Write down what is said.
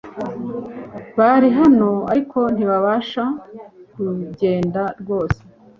Bari hano ariko ntibashaka kugenda rwose .